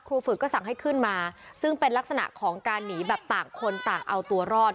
ฝึกก็สั่งให้ขึ้นมาซึ่งเป็นลักษณะของการหนีแบบต่างคนต่างเอาตัวรอด